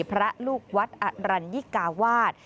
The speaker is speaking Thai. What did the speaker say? พระลูกวัดอรัญญิกาวาส